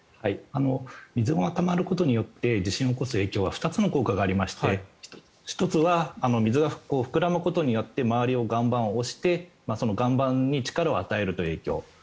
水がたまることによって地震が起こす影響には２つの効果がありまして１つは水が膨らむことによって周りの岩盤を押してその岩盤に力を与えるという影響。